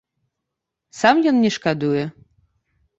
Сам ён не шкадуе.